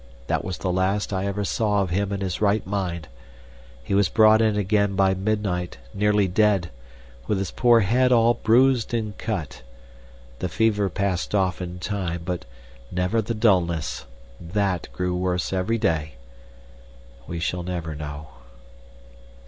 That was the last I ever saw of him in his right mind. He was brought in again by midnight, nearly dead, with his poor head all bruised and cut. The fever passed off in time, but never the dullness THAT grew worse every day. We shall never know."